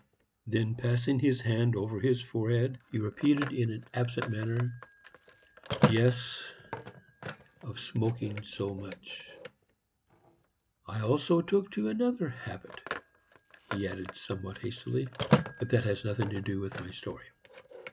Then, passing his hand over his forehead, he repeated, in an absent manner, "Yes, of smoking so much. I also took to another habit," he added, somewhat hastily; "but that has nothing to do with my story.